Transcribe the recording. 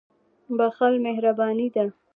• بښل مهرباني ده.